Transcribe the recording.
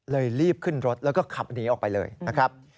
รีบขึ้นรถแล้วก็ขับหนีออกไปเลยนะครับ